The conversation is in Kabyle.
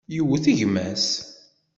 Yewwet gma-s.